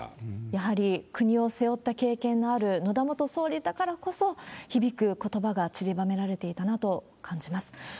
やはり国を背負った経験のある野田元総理だからこそ、響くことばがちりばめられていたなと感じます。